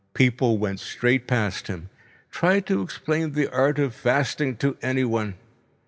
People went straight past him. Try to explain the art of fasting to anyone!